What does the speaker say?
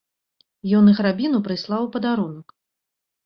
Ён іх рабіну прыслаў у падарунак.